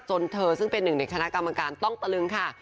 จนเธอซึ่งเป็นหนึ่งในคณะกรรมการต้องตะลึงค่ะ